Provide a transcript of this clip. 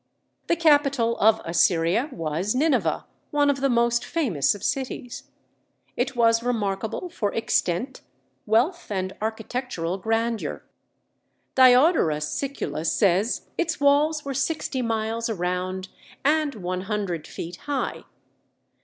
The capital of Assyria was Nineveh, one of the most famous of cities. It was remarkable for extent, wealth, and architectural grandeur. Diodorus Siculus says its walls were sixty miles around and one hundred feet high.